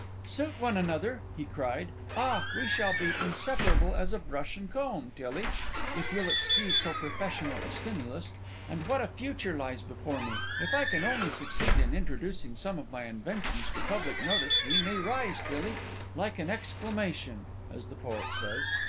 "Suit one another!" he cried. "Ah! we shall be inseparable as a brush and comb, Tillie, if you'll excuse so puffessional a stimulus. And what a future lies before me! If I can only succeed in introducing some of my inventions to public notice, we may rise, Tilly, 'like an exclamation,' as the poet says.